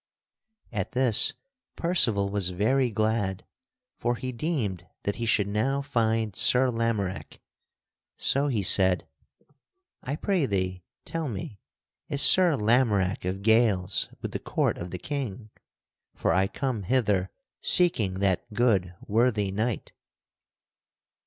At this Percival was very glad, for he deemed that he should now find Sir Lamorack. So he said: "I pray thee tell me, is Sir Lamorack of Gales with the court of the King, for I come hither seeking that good worthy knight?"